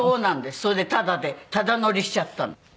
それでタダでタダ乗りしちゃったの。